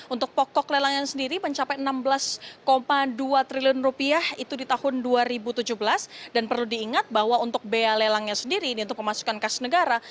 untuk pokok lelangan sendiri mencapai enam belas dua triliun rupiah itu di tahun dua ribu tujuh belas dan perlu diingat bahwa untuk bea lelangnya sendiri ini untuk pemasukan kas negara